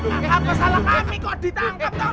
apa salah kami kok ditangkap